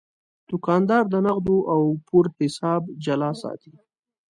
دوکاندار د نغدو او پور حساب جلا ساتي.